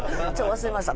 忘れました。